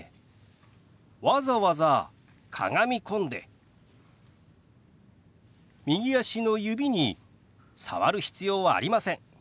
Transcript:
わざわざかがみ込んで右足の指に触る必要はありません。